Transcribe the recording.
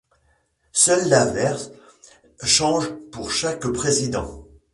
Seul l'avers change pour chaque président.